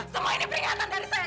semua ini peringatan dari saya